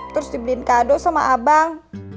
terus dibeliin kado sama abang